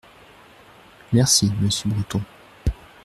Merci, monsieur Breton.